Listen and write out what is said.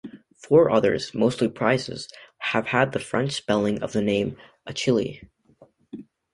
Four others, mostly prizes, have had the French spelling of the name, "Achille".